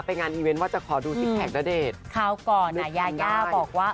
ไปงานอีเวนต์ว่าจะขอดูสิทธิ์แผลกณเดชน์คราวก่อนน่ะยายาบอกว่า